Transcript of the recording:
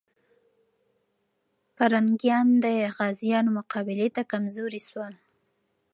پرنګیان د غازيانو مقابلې ته کمزوري سول.